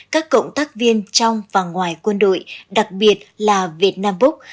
các cộng tác viên trong và ngoài quân đội đặc biệt là việt nam búc